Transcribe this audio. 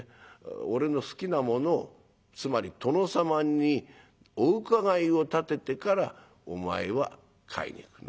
俺の好きなものをつまり殿様にお伺いを立ててからお前は買いに行く」。